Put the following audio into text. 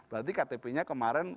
berarti ktpnya kemarin